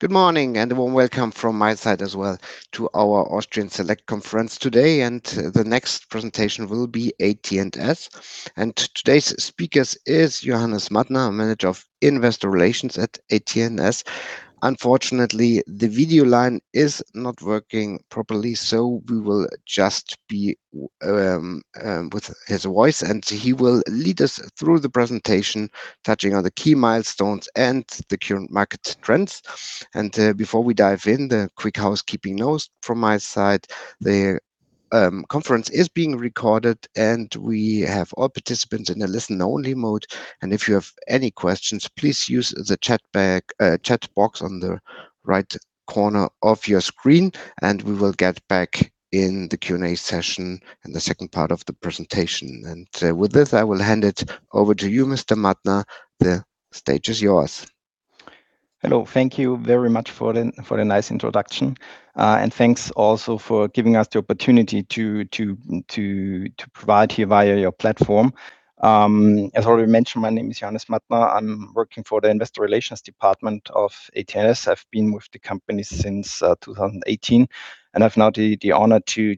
Good morning, a warm welcome from my side as well to our Austrian Select Conference today. The next presentation will be AT&S. Today's speaker is Johannes Mattner, Manager Investor Relations at AT&S. Unfortunately, the video line is not working properly, so we will just be with his voice, and he will lead us through the presentation touching on the key milestones and the current market trends. Before we dive in, the quick housekeeping notes from my side. The conference is being recorded, and we have all participants in a listen-only mode. If you have any questions, please use the chat box on the right corner of your screen, and we will get back in the Q&A session in the second part of the presentation. With this, I will hand it over to you, Mr. Mattner. The stage is yours. Hello. Thank you very much for the nice introduction. Thanks also for giving us the opportunity to provide here via your platform. As already mentioned, my name is Johannes Mattner. I'm working for the Investor Relations Department of AT&S. I've been with the company since 2018, and I've now the honor to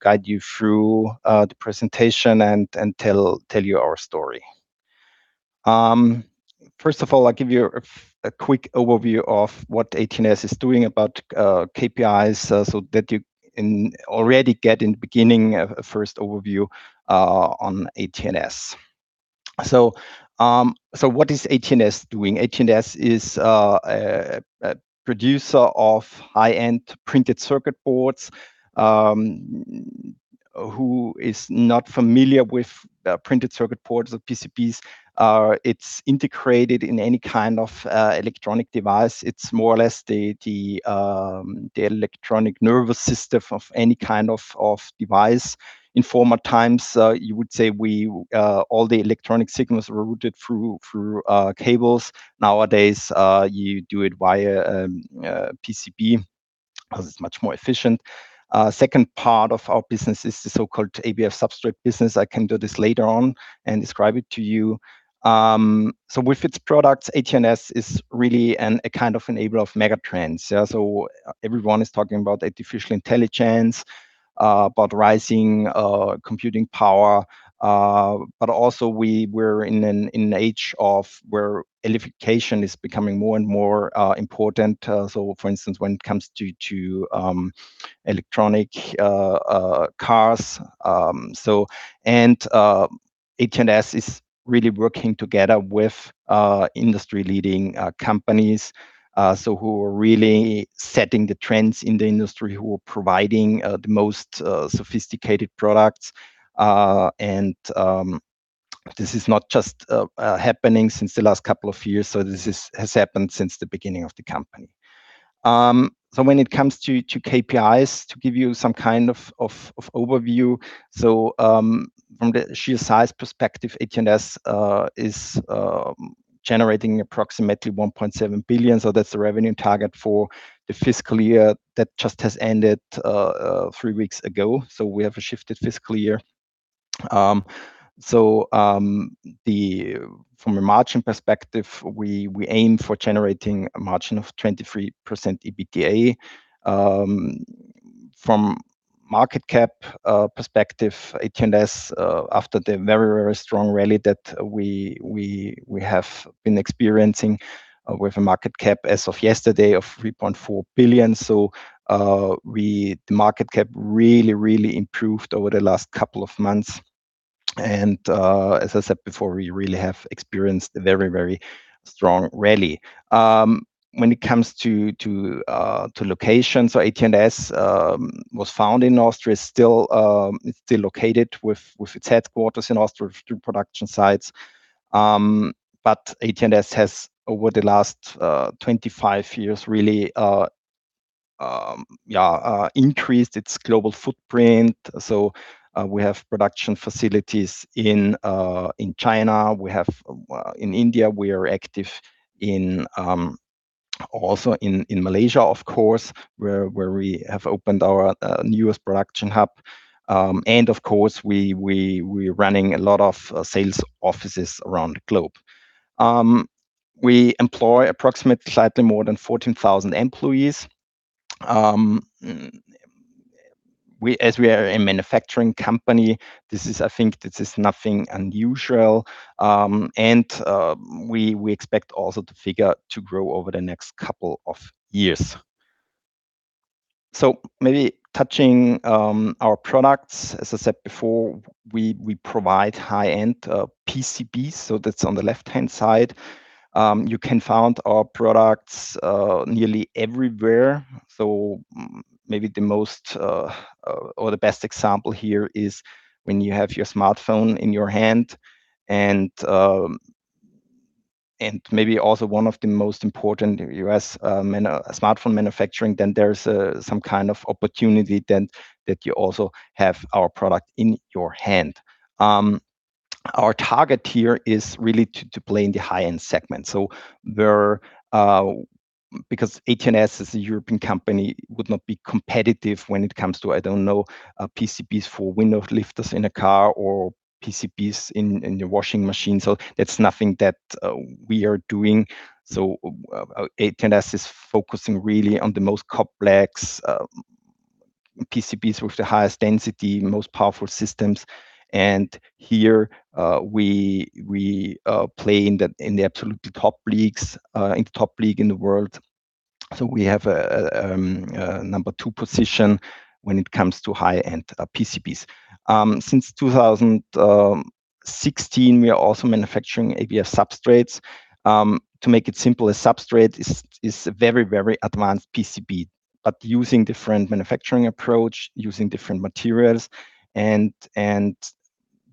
guide you through the presentation and tell you our story. First of all, I'll give you a quick overview of what AT&S is doing about KPIs, so that you can already get in the beginning a first overview on AT&S. What is AT&S doing? AT&S is a producer of high-end printed circuit boards. Who is not familiar with printed circuit boards or PCBs? It's integrated in any kind of electronic device. It's more or less the electronic nervous system of any kind of device. In former times, you would say all the electric signals were routed through cables. Nowadays, you do it via a PCB as it's much more efficient. Second part of our business is the so-called ABF substrate business. I can do this later on and describe it to you. With its products, AT&S is really a kind of enabler of megatrends. Yeah, everyone is talking about artificial intelligence, about rising computing power, but also we're in an age where electrification is becoming more and more important. For instance, when it comes to electric cars, AT&S is really working together with industry-leading companies, who are really setting the trends in the industry, who are providing the most sophisticated products. This is not just happening since the last couple of years. This has happened since the beginning of the company. When it comes to KPIs, to give you some kind of overview. From the sheer size perspective, AT&S is generating approximately 1.7 billion. That's the revenue target for the fiscal year that just has ended three weeks ago. We have a shifted fiscal year. From a margin perspective, we aim for generating a margin of 23% EBITDA. From market cap perspective, AT&S, after the very strong rally that we have been experiencing with a market cap as of yesterday of 3.4 billion. The market cap really, really improved over the last couple of months and, as I said before, we really have experienced a very strong rally. When it comes to locations, AT&S was founded in Austria. It's still located with its headquarters in Austria, two production sites. AT&S has, over the last 25 years, really increased its global footprint. We have production facilities in China. In India, we are active also in Malaysia, of course, where we have opened our newest production hub. Of course, we're running a lot of sales offices around the globe. We employ approximately slightly more than 14,000 employees. As we are a manufacturing company, I think this is nothing unusual. We expect also the figure to grow over the next couple of years. Maybe touching our products. As I said before, we provide high-end PCBs, so that's on the left-hand side. You can find our products nearly everywhere. Maybe the most or the best example here is when you have your smartphone in your hand and maybe also one of the most important U.S. smartphone manufacturers, then there's some kind of opportunity then that you also have our product in your hand. Our target here is really to play in the high-end segment. Because AT&S as a European company would not be competitive when it comes to, I don't know, PCBs for window lifters in a car or PCBs in your washing machine. That's nothing that we are doing. AT&S is focusing really on the most complex PCBs with the highest density, most powerful systems, and here we play in the absolute top league in the world. We have a number two position when it comes to high-end PCBs. Since 2016, we are also manufacturing ABF substrates. To make it simple, a substrate is a very advanced PCB, but using different manufacturing approach, using different materials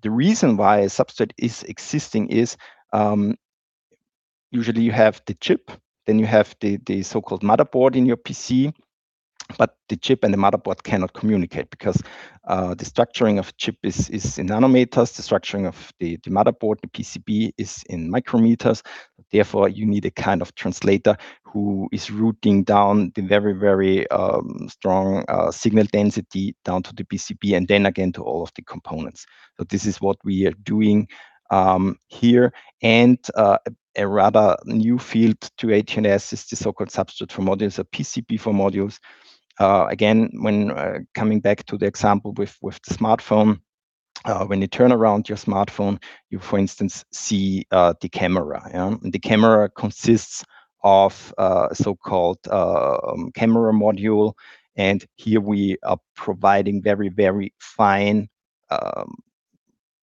and the reason why a substrate is existing is, usually you have the chip, then you have the so-called motherboard in your PC, but the chip and the motherboard cannot communicate because the structuring of chip is in nanometers. The structuring of the motherboard, the PCB, is in micrometers. Therefore, you need a kind of translator who is routing down the very strong signal density down to the PCB and then again to all of the components. This is what we are doing here. A rather new field to AT&S is the so-called substrate for modules or PCB for modules. Again, when coming back to the example with the smartphone, when you turn around your smartphone, you for instance see the camera. Yeah. The camera consists of a so-called camera module. Here we are providing very fine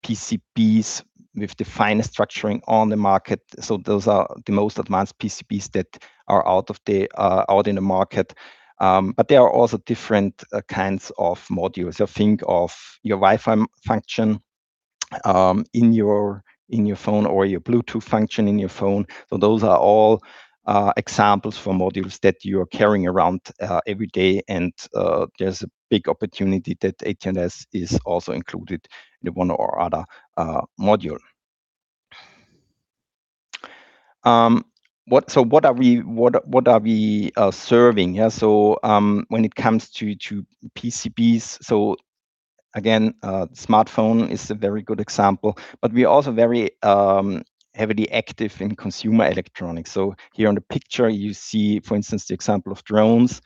PCBs with the finest structuring on the market. Those are the most advanced PCBs that are out in the market. But there are also different kinds of modules. Think of your Wi-Fi function in your phone or your Bluetooth function in your phone. Those are all examples for modules that you are carrying around every day. There's a big opportunity that AT&S is also included in one or other module. What are we serving? Yeah. When it comes to PCBs, again, smartphone is a very good example, but we are also very heavily active in consumer electronics. Here on the picture you see, for instance, the example of drones,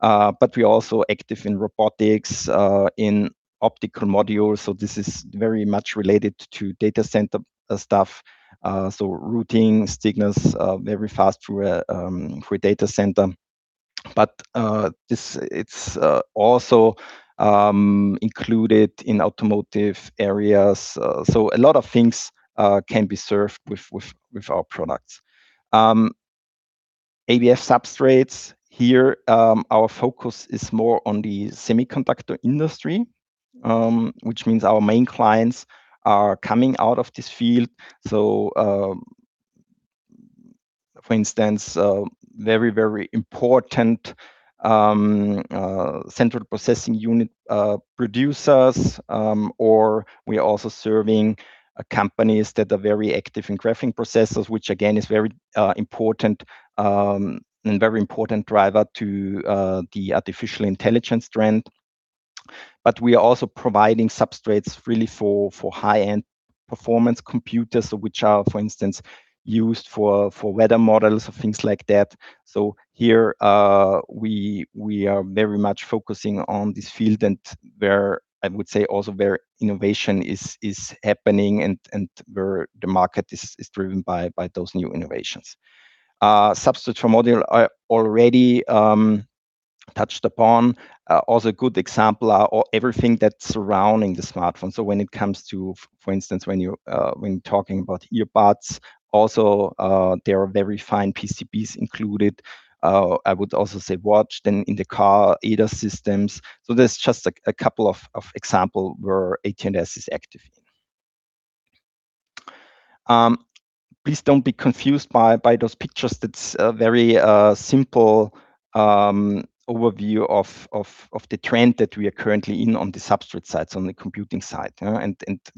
but we are also active in robotics, in optical modules. This is very much related to data center stuff. Routing signals very fast through a data center. It's also included in automotive areas. A lot of things can be served with our products. ABF substrates, here our focus is more on the semiconductor industry, which means our main clients are coming out of this field. For instance, very important central processing unit producers. We are also serving companies that are very active in graphics processors, which again is very important, and very important driver to the artificial intelligence trend. We are also providing substrates really for high-end performance computers, which are, for instance, used for weather models or things like that. Here we are very much focusing on this field and where I would say also where innovation is happening and where the market is driven by those new innovations. Substrate for module I already touched upon. Also a good example are everything that's surrounding the smartphone. When it comes to, for instance, when you're talking about earbuds also, there are very fine PCBs included. I would also say watch, then in the car ADAS systems. There's just a couple of examples where AT&S is active in. Please don't be confused by those pictures. That's a very simple overview of the trend that we are currently in on the substrate side, on the computing side.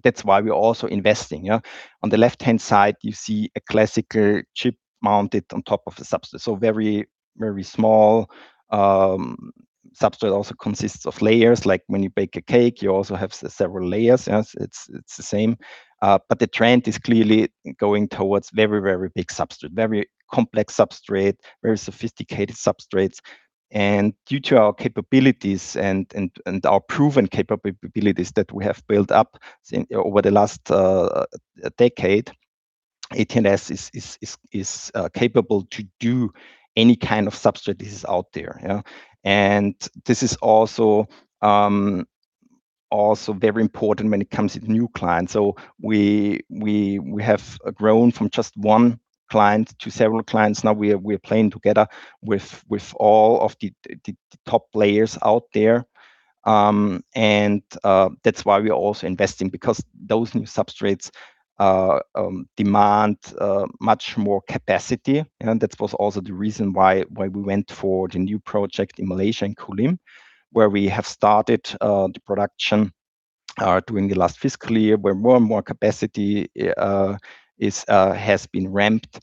That's why we are also investing. On the left-hand side, you see a classical chip mounted on top of the substrate. Very small substrate also consists of layers. Like when you bake a cake, you also have several layers. Yes, it's the same. The trend is clearly going towards very big substrate, very complex substrate, very sophisticated substrates. Due to our capabilities and our proven capabilities that we have built up over the last decade, AT&S is capable to do any kind of substrate that is out there. Yeah. This is also very important when it comes with new clients. We have grown from just one client to several clients. Now we are playing together with all of the top players out there. That's why we are also investing, because those new substrates demand much more capacity. That was also the reason why we went for the new project in Malaysia, in Kulim, where we have started the production during the last fiscal year where more and more capacity has been ramped.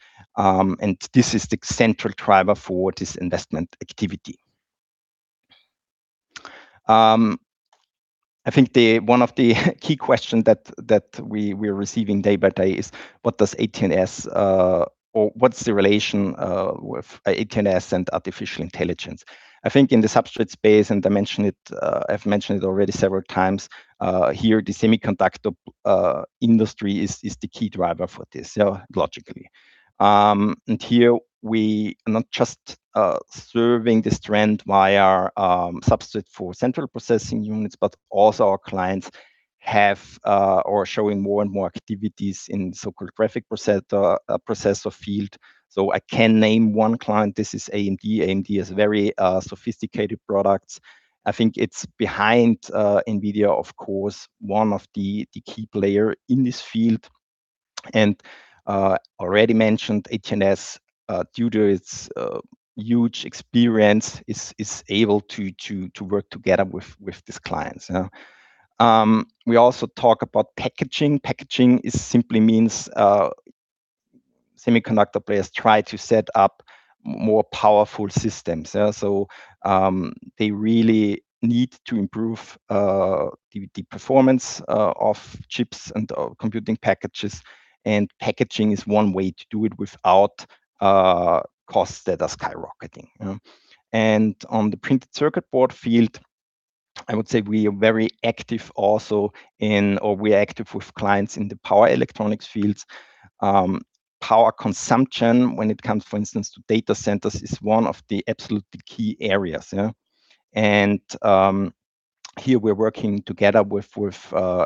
This is the central driver for this investment activity. I think one of the key questions that we are receiving day by day is, what's the relation of AT&S and artificial intelligence? I think in the substrate space, and I've mentioned it already several times, here, the semiconductor industry is the key driver for this, logically. Here we are not just serving this trend via our substrate for central processing units, but also our clients are showing more and more activities in so-called graphics processor field. I can name one client, this is AMD. AMD has very sophisticated products. I think it's behind NVIDIA, of course, one of the key players in this field. Already mentioned AT&S, due to its huge experience, is able to work together with these clients. We also talk about packaging. Packaging simply means semiconductor players try to set up more powerful systems. They really need to improve the performance of chips and computing packages, and packaging is one way to do it without costs that are skyrocketing. On the printed circuit board field, I would say we are very active also in, or we are active with clients in the power electronics fields. Power consumption when it comes, for instance, to data centers, is one of the absolutely key areas. Here we're working together with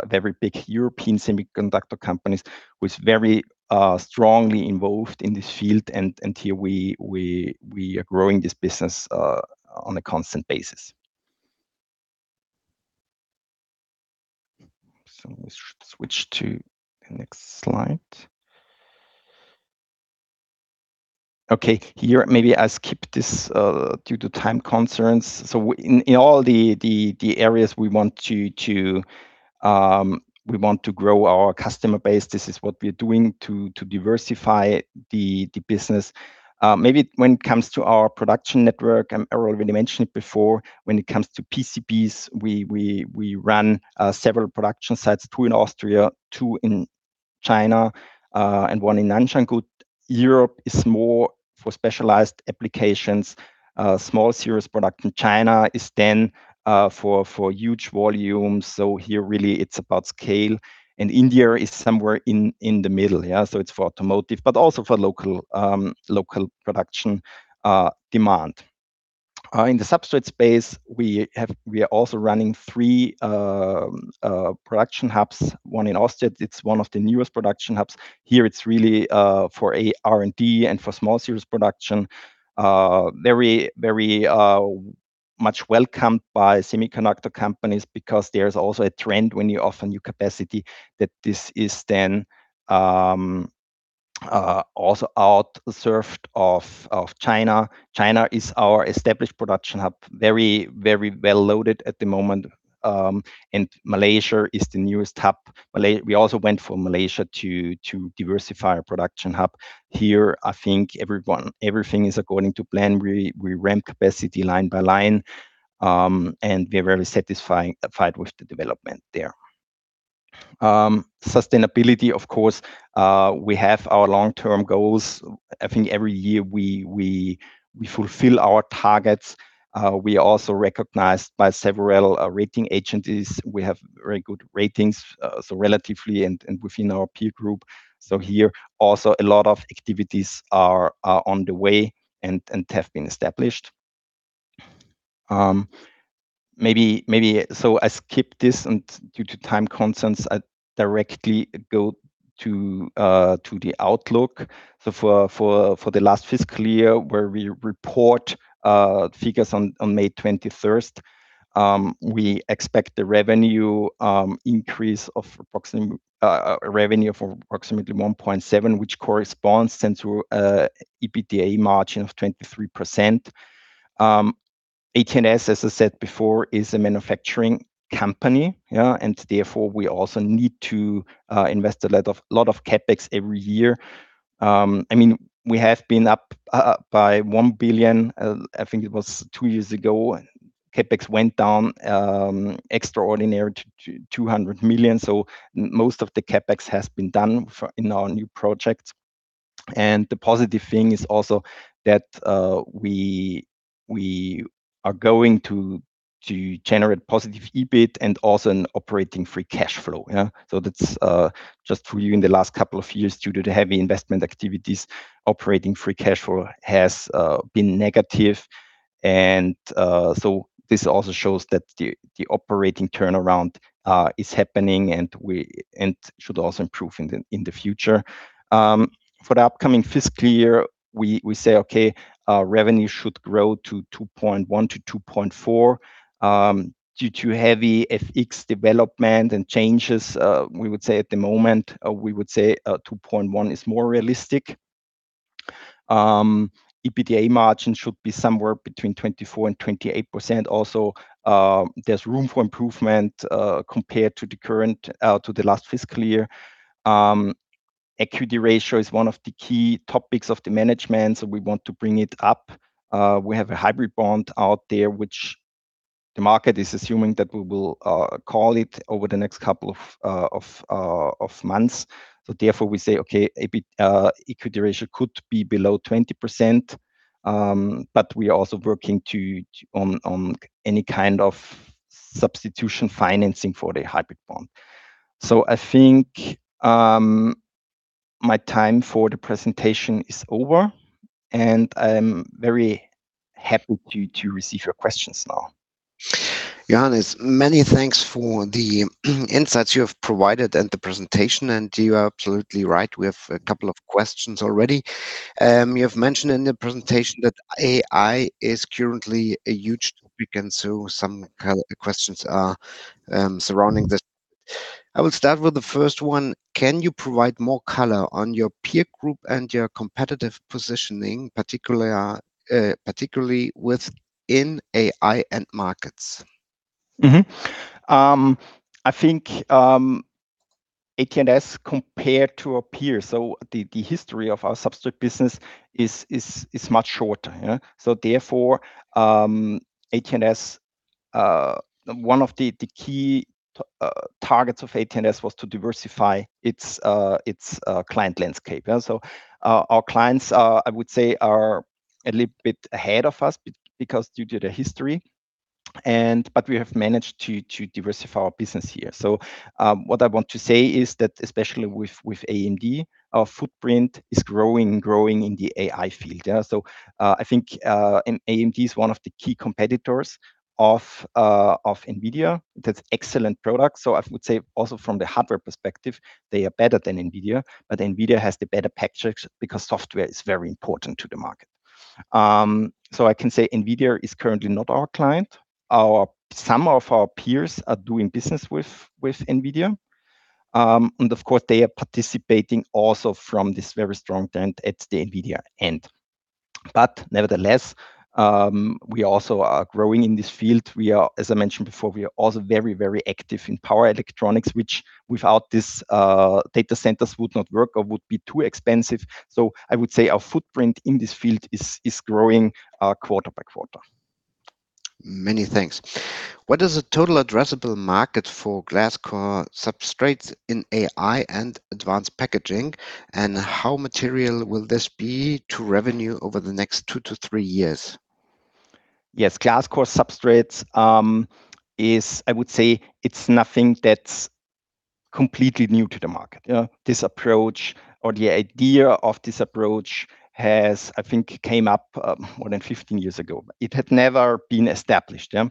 very big European semiconductor companies, who is very strongly involved in this field, and here we are growing this business on a constant basis. Let me switch to the next slide. Okay. Here, maybe I'll skip this due to time constraints. In all the areas we want to grow our customer base, this is what we are doing to diversify the business. Maybe when it comes to our production network, I already mentioned it before, when it comes to PCBs, we run several production sites, two in Austria, two in China, and in Nanjangud. Europe is more for specialized applications, small series product. China is then for huge volumes. Here really it's about scale. India is somewhere in the middle. It's for automotive, but also for local production demand. In the substrate space, we are also running three production hubs, one in Austria. It's one of the newest production hubs. Here it's really for R&D and for small series production. Very much welcomed by semiconductor companies because there's also a trend when you offer new capacity that this is then also outsourced from China. China is our established production hub, very well loaded at the moment. Malaysia is the newest hub. We also went for Malaysia to diversify our production hub. Here, I think everything is according to plan. We ramp capacity line by line, and we are very satisfied with the development there. Sustainability, of course, we have our long-term goals. I think every year we fulfill our targets. We are also recognized by several rating agencies. We have very good ratings, so relatively and within our peer group. Here, also a lot of activities are on the way and have been established. I skip this and due to time constraints, I directly go to the outlook. For the last fiscal year where we report figures on May 23rd, we expect the revenue increase of approximately 1.7%, which corresponds then to an EBITDA margin of 23%. AT&S, as I said before, is a manufacturing company. Therefore, we also need to invest a lot of CapEx every year. We have been up by 1 billion, I think it was two years ago, and CapEx went down extraordinarily to 200 million. Most of the CapEx has been done in our new projects. The positive thing is also that we are going to generate positive EBIT and also an operating free cash flow. That's just for you in the last couple of years due to the heavy investment activities, operating free cash flow has been negative, and so this also shows that the operating turnaround is happening and should also improve in the future. For the upcoming fiscal year, we say, okay, our revenue should grow to 2.1 billion-2.4 billion. Due to heavy FX development and changes, we would say at the moment, we would say 2.1 billion is more realistic. EBITDA margin should be somewhere between 24%-28%. Also, there's room for improvement, compared to the last fiscal year. Equity ratio is one of the key topics of the management, so we want to bring it up. We have a hybrid bond out there, which the market is assuming that we will call it over the next couple of months. Therefore we say, okay, equity ratio could be below 20%, but we are also working on any kind of substitution financing for the hybrid bond. I think my time for the presentation is over and I am very happy to receive your questions now. Johannes, many thanks for the insights you have provided and the presentation, and you are absolutely right. We have a couple of questions already. You have mentioned in the presentation that AI is currently a huge topic, and so some questions are surrounding this. I will start with the first one. Can you provide more color on your peer group and your competitive positioning, particularly within AI end markets? I think AT&S compared to our peers, the history of our substrate business is much shorter. Therefore, one of the key targets of AT&S was to diversify its client landscape. Our clients, I would say, are a little bit ahead of us because due to the history. We have managed to diversify our business here. What I want to say is that, especially with AMD, our footprint is growing and growing in the AI field. I think AMD is one of the key competitors of NVIDIA. They have excellent products. I would say also from the hardware perspective, they are better than NVIDIA, but NVIDIA has the better tech stack because software is very important to the market. I can say NVIDIA is currently not our client. Some of our peers are doing business with NVIDIA. Of course, they are participating also from this very strong trend at the NVIDIA end. Nevertheless, we also are growing in this field. As I mentioned before, we are also very active in power electronics, which without this, data centers would not work or would be too expensive. I would say our footprint in this field is growing quarter-by-quarter. Many thanks. What is the total addressable market for glass core substrates in AI and advanced packaging, and how material will this be to revenue over the next two-three years? Yes, glass core substrates is, I would say, it's nothing that's completely new to the market. This approach or the idea of this approach has, I think, came up more than 15 years ago. It had never been established. Yeah.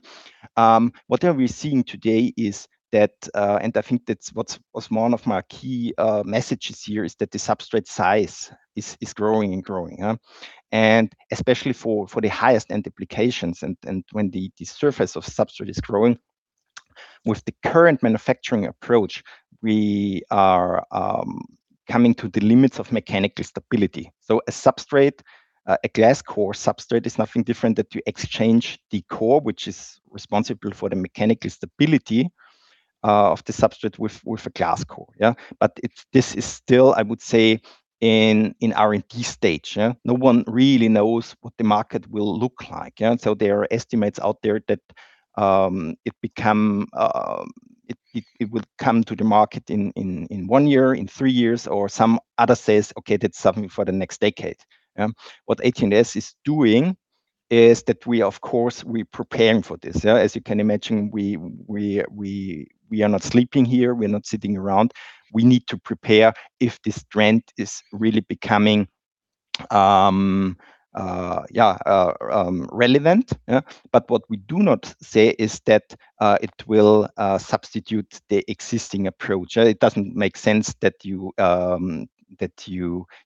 What are we seeing today is that, and I think that's what's one of my key messages here, is that the substrate size is growing and growing. Especially for the highest-end applications and when the surface of substrate is growing, with the current manufacturing approach, we are coming to the limits of mechanical stability. A glass core substrate is nothing different that you exchange the core, which is responsible for the mechanical stability of the substrate with a glass core. Yeah. This is still, I would say in R&D stage. No one really knows what the market will look like. There are estimates out there that it will come to the market in one year, in three years, or some others say, okay, that's something for the next decade. What AT&S is doing is that we, of course, are preparing for this. As you can imagine, we are not sleeping here. We are not sitting around. We need to prepare if this trend is really becoming relevant. What we do not say is that it will substitute the existing approach. It doesn't make sense that you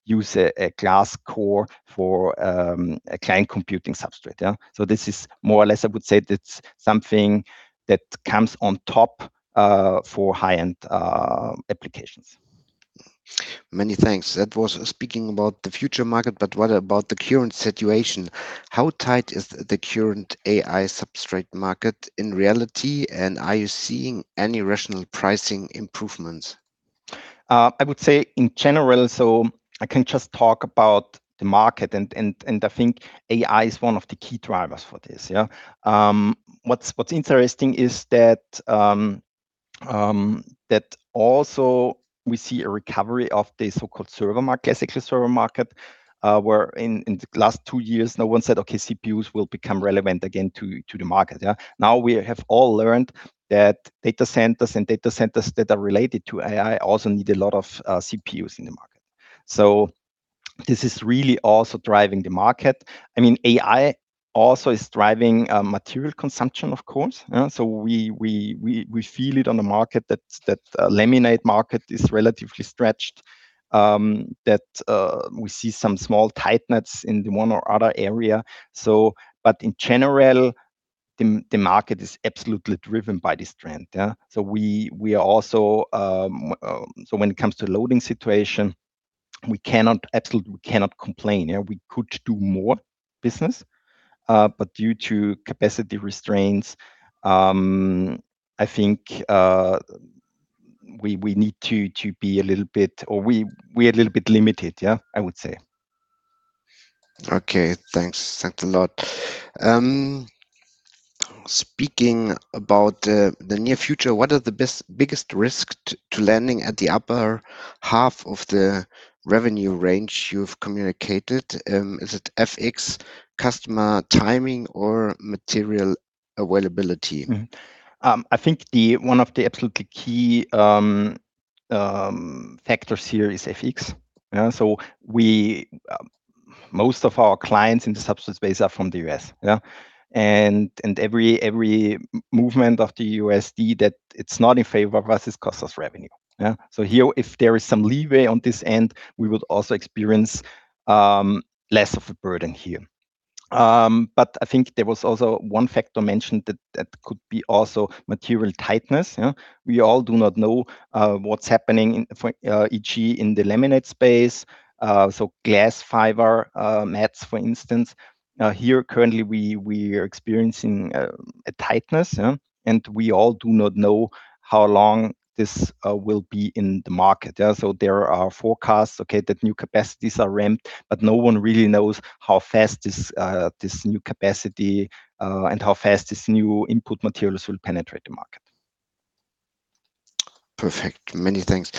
use a glass core for a client computing substrate. This is more or less, I would say, that's something that comes on top for high-end applications. Many thanks. That was speaking about the future market, but what about the current situation? How tight is the current AI substrate market in reality, and are you seeing any rational pricing improvements? I would say in general, so I can just talk about the market and I think AI is one of the key drivers for this. Yeah. What's interesting is that also we see a recovery of the so-called server market, classical server market, where in the last two years, no one said, "Okay, CPUs will become relevant again to the market." Yeah. Now we have all learned that data centers and data centers that are related to AI also need a lot of CPUs in the market. This is really also driving the market. AI also is driving material consumption, of course. We feel it on the market that laminate market is relatively stretched, that we see some small tightness in the one or other area. In general, the market is absolutely driven by this trend. Yeah. When it comes to loading situation, we cannot complain. We could do more business, but due to capacity constraints, I think we are a little bit limited, I would say. Okay. Thanks a lot. Speaking about the near future, what are the biggest risks to landing at the upper half of the revenue range you've communicated? Is it FX, customer timing, or material availability? I think one of the absolutely key factors here is FX. Most of our clients in the substrate space are from the U.S.. Every movement of the USD that's not in favor of us costs us revenue. Here, if there is some leeway on this end, we would also experience less of a burden here. I think there was also one factor mentioned that could be also material tightness. We all do not know what's happening, e.g., in the laminate space. Glass fiber mats, for instance. Here currently, we are experiencing a tightness. We all do not know how long this will be in the market. There are forecasts, okay, that new capacities are ramped, but no one really knows how fast this new capacity and how fast these new input materials will penetrate the market. Perfect. Many thanks.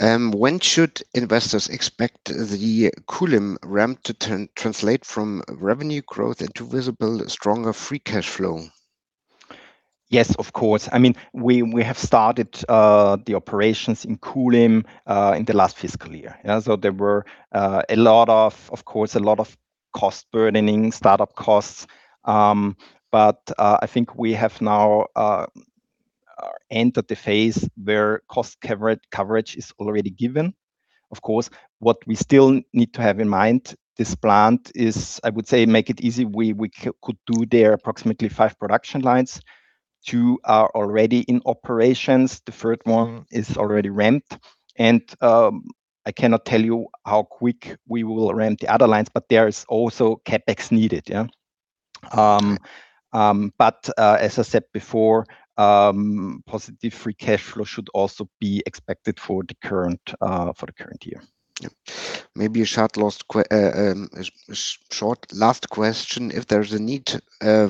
When should investors expect the Kulim ramp to translate from revenue growth into visible stronger free cash flow? Yes, of course. We have started the operations in Kulim in the last fiscal year. There were, of course, a lot of cost burdening, startup costs. I think we have now entered the phase where cost coverage is already given. Of course, what we still need to have in mind, this plant is, I would say, make it easy, we could do there approximately five production lines. Two are already in operations. The third one is already ramped. I cannot tell you how quick we will ramp the other lines, but there is also CapEx needed. As I said before, positive free cash flow should also be expected for the current year. Maybe a short last question. If there's a need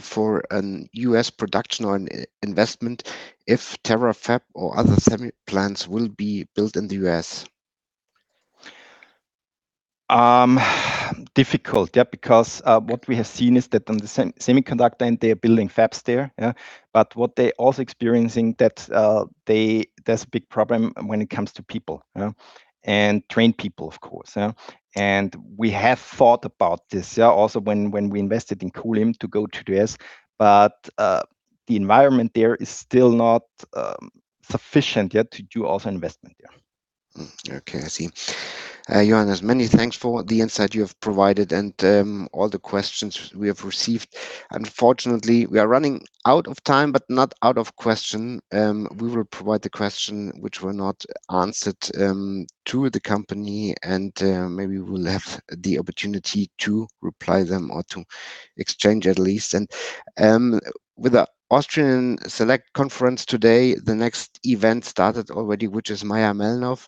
for a U.S. production or an investment, if Terafab or other semi plants will be built in the U.S.? Difficult. Because what we have seen is that on the semiconductor end, they are building fabs there. What they're also experiencing, there's a big problem when it comes to people and trained people, of course. We have thought about this. Also when we invested in Kulim to go to the U.S. The environment there is still not sufficient yet to do also investment there. Okay. I see. Johannes, many thanks for the insight you have provided and all the questions we have received. Unfortunately, we are running out of time, but not out of questions. We will provide the questions which were not answered to the company, and maybe we'll have the opportunity to reply them or to exchange at least. With the Austrian Select Conference today, the next event started already, which is Mayr-Melnhof.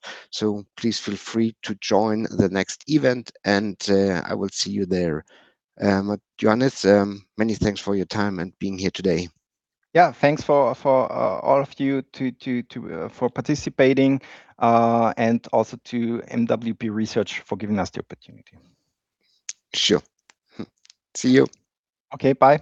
Please feel free to join the next event and I will see you there. Johannes, many thanks for your time and being here today. Yeah. Thanks for all of you for participating, and also to mwb research for giving us the opportunity. Sure. See you. Okay. Bye.